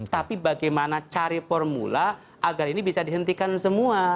tapi bagaimana cari formula agar ini bisa dihentikan semua